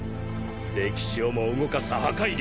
歴史をも動かす破壊力。